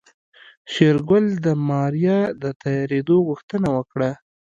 شېرګل د ماريا د تيارېدو غوښتنه وکړه.